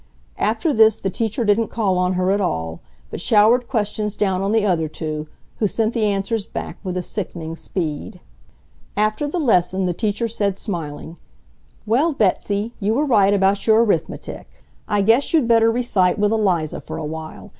After this the teacher didn't call on her at all, but showered questions down on the other two, who sent the answers back with sickening speed. After the lesson the teacher said, smiling, "Well, Betsy, you were right about your arithmetic. I guess you'd better recite with Eliza for a while.